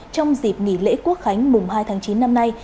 trong dịp nghỉ lễ quốc khánh mùng hai tháng chín năm nay